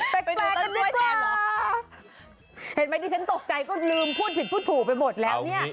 แปลกกันดีกว่าเห็นไหมที่ฉันตกใจก็ลืมพูดผิดพูดถูกไปหมดแล้วเนี่ย